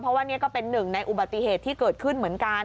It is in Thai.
เพราะว่านี่ก็เป็นหนึ่งในอุบัติเหตุที่เกิดขึ้นเหมือนกัน